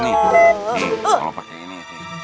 nih kalau pakai ini